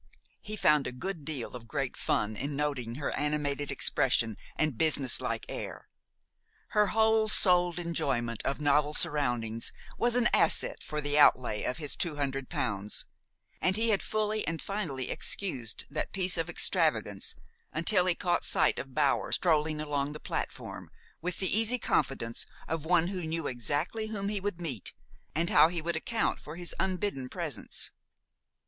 He found a good deal of quiet fun in noting her animated expression and businesslike air. Her whole souled enjoyment of novel surroundings was an asset for the outlay of his two hundred pounds, and he had fully and finally excused that piece of extravagance until he caught sight of Bower strolling along the platform with the easy confidence of one who knew exactly whom he would meet and how he would account for his unbidden presence.